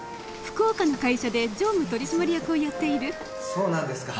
そうなんですか。